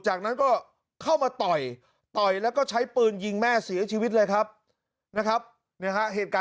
จากนั้นก็เข้ามาต่อยต่อยแล้วก็ใช้ปืนยิงแม่